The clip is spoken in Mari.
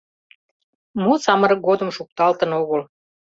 Мо самырык годым шукталтын огыл.